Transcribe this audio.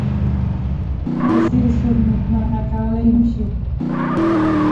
پیسې څوک نېکمرغه کولای نه شي.